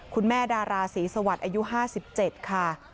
คุณแม่ดาราศรีสวัสดิ์อายุ๕๗ค่ะ